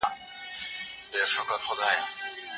د ادبي ژانرونو په څېړنه کي ژبنی جاج اخیستل ډېر اړین دی.